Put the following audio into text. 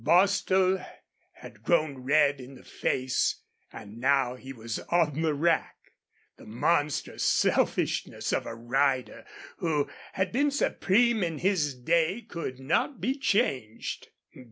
Bostil had grown red in the face and now he was on the rack. The monstrous selfishness of a rider who had been supreme in his day could not be changed.